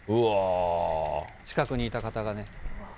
近くにいた方がね。